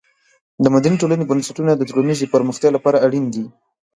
د مدني ټولنې بنسټونه د ټولنیزې پرمختیا لپاره اړین دي.